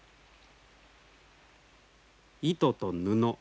糸と布。